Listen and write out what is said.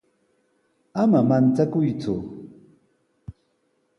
Ama manchakuyku.